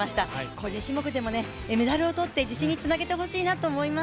個人種目でもメダルをとって自信につなげてほしいなと思います。